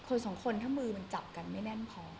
คนสองคนถ้ามือมันจับกันไม่แน่นพอ